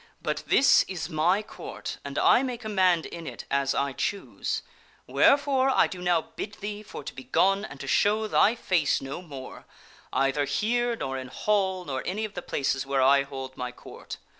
But this is my Court, and I may command in it as I choose ; wherefore I do now bid thee for to be gone and to show thy face no more, either here nor in Hall nor any of the places where I hold my Court.